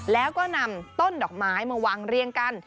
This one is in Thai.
แล้วก็นำต้นดอกไม้มาวางเรียงกัน